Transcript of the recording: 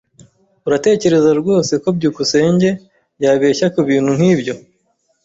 Uratekereza rwose ko byukusenge yabeshya kubintu nkibyo?